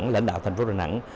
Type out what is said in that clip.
lãnh đạo thành phố đà nẵng